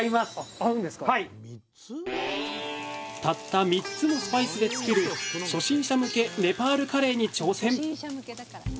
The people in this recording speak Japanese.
たった３つのスパイスで作る初心者向けネパールカレーに挑戦！